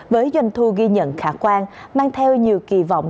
với doanh thu ghi nhận là một năm triệu đồng